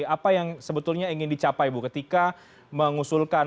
apa yang sebetulnya ingin dicapai bu ketika mengusulkan